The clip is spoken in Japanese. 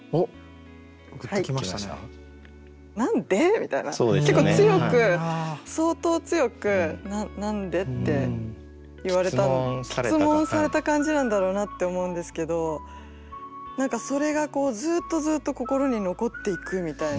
みたいな結構強く相当強く「なんで？」って言われた詰問された感じなんだろうなって思うんですけど何かそれがずっとずっと心に残っていくみたいな。